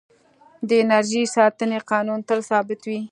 د انرژۍ ساتنې قانون تل ثابت وي.